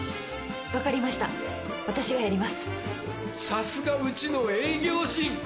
「さすがうちの営業神！」